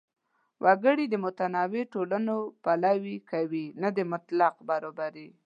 وګړي د متنوع ټولنو پلوي کوي، نه د مطلق برابرۍ.